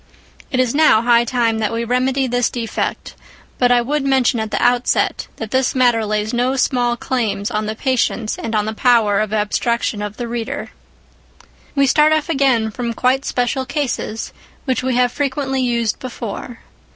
It is now high time that we remedy this defect; but I would mention at the outset, that this matter lays no small claims on the patience and on the power of abstraction of the reader. We start off again from quite special cases, which we have frequently used before.